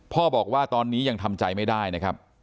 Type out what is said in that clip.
พ่อบอกว่าตอนนี้ยังทำใจไม่ได้นะครับ